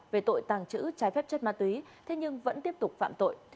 về tội tàng trữ trái phép chất ma túy thế nhưng vẫn tiếp tục phạm tội